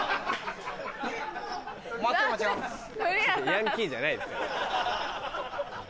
ヤンキーじゃないそれ。